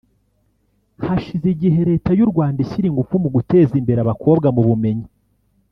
Hashize igihe Leta y’u Rwanda ishyira ingufu mu guteza imbere abakobwa mu bumenyi